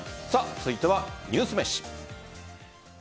続いてはニュースめし。